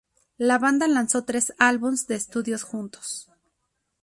La banda lanzó tres álbumes de estudio juntos.